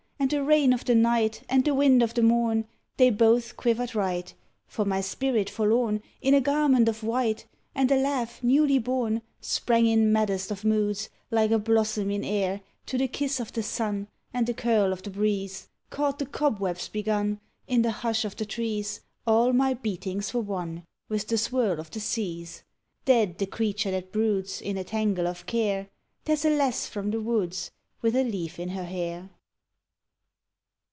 And the rain of the night And the wind of the morn, They both quivered right; For my spirit forlorn In a garment of white And a laugh newly born Sprang in maddest of moods Like a blossom in air To the kiss of the sun And the curl of the breeze, Caught the cobwebs begun In the hush of the trees All my beatings were one With the swirl of the seas. Dead the creature that broods In a tangle of care; There's a lass from the woods With a leaf in her hair.